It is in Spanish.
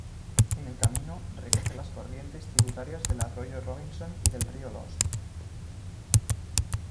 En el camino, recoge las corrientes tributarias del arroyo Robinson y del río Lost.